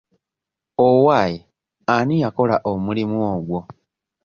Owaaye ani yakola omuli ogwo?